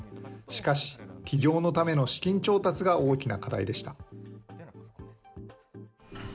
しかし、起業のための資金調達が大きな課題でした。